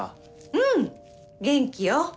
うん元気よ。